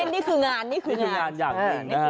นี่คืองานอย่างหนึ่งนะฮะ